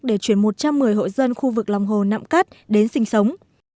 để chuyển một trăm một mươi hộ dân khu vực lòng hồ nạm cát đến sinh sống